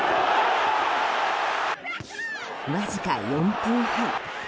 わずか４分半。